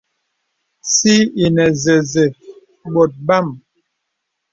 Sì ìnə zəzə bɔ̀t bàm.